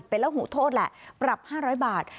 เป็นละหูโทษแหละปรับ๕๐๐บาท